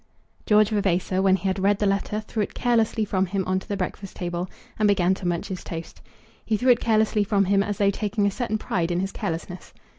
George Vavasor when he had read the letter threw it carelessly from him on to the breakfast table, and began to munch his toast. He threw it carelessly from him, as though taking a certain pride in his carelessness.